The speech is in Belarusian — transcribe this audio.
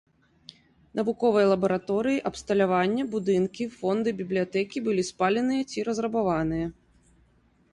Навуковыя лабараторыі, абсталяванне, будынкі, фонды бібліятэкі былі спаленыя ці разрабаваныя.